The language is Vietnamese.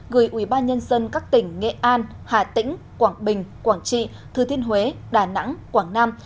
gửi ubnd các tỉnh nghệ an hà tĩnh quảng bình quảng trị thừa thiên huế đà nẵng quảng nam